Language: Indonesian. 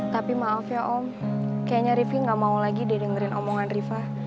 tapi maaf ya om kayaknya rifki gak mau lagi dia dengerin omongan riva